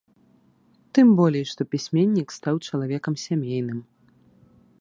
Тым болей, што пісьменнік стаў чалавекам сямейным.